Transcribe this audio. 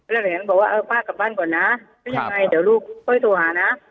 แล้วหลังจากนั้นบอกว่าเออพ่อกลับบ้านก่อนนะก็ยังไงเดี๋ยวลูกก็ไปโทรหานะ